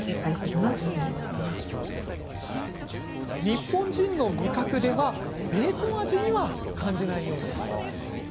日本人の味覚ではベーコン味には感じないようです。